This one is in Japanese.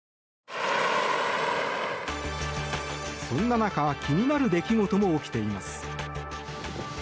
そんな中気になる出来事も起きています。